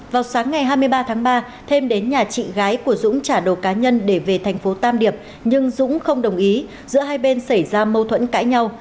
vào sáng ngày hai mươi ba tháng ba thêm đến nhà chị gái của dũng trả đồ cá nhân để về thành phố tam điệp nhưng dũng không đồng ý giữa hai bên xảy ra mâu thuẫn cãi nhau